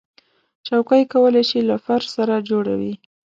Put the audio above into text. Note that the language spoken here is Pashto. چوکۍ کولی شي له فرش سره جوړه وي.